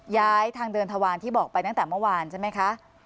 ทางเดินทวารที่บอกไปตั้งแต่เมื่อวานใช่ไหมคะ